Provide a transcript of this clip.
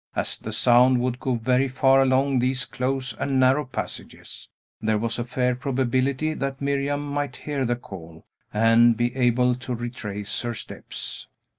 As the sound would go very far along these close and narrow passages, there was a fair probability that Miriam might hear the call, and be able to retrace her steps.